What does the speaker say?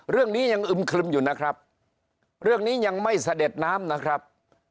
เรื่องนี้ยังอึมครึมอยู่นะครับเรื่องนี้ยังไม่เสด็จน้ำนะครับ